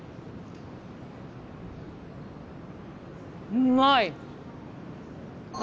うまい！